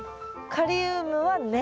カリウムは根。